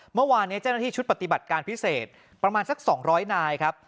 เมื่อวานนี้เจ้าหน้าที่ชุดปฏิบัติการพิเศษประมาณสัก๒๐๐นายครับ